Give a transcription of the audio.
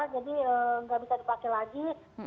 jadi nggak bisa dipakai lagi